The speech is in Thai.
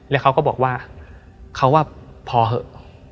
แล้วเขาก็บอกว่าเขาว่าพอเถอะ